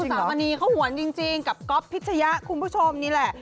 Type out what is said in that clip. สามณีเขาหวนจริงกับก๊อฟพิชยะคุณผู้ชมนี่แหละ